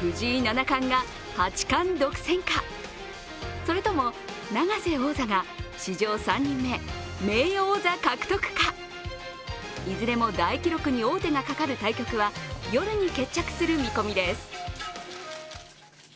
藤井七冠が八冠独占か、それとも永瀬王座が史上３人目、名誉王座獲得か、いずれも大記録に王手がかかる対局は夜に決着する見込みです。